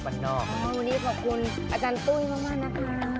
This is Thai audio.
วันนี้ขอบคุณอาจารย์ตุ้ยมากนะคะ